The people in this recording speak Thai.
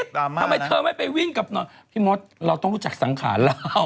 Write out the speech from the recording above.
ทำไมเธอไม่ไปวิ่งกับน้องพี่มดเราต้องรู้จักสังขารเรา